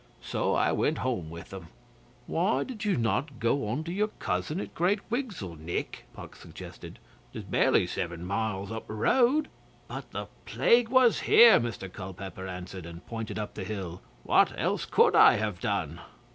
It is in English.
So I went home with 'em.' 'Why did you not go on to your cousin at Great Wigsell, Nick?' Puck suggested. ''tis barely seven mile up the road.' 'But the plague was here,' Mr Culpeper answered, and pointed up the hill. 'What else could I have done?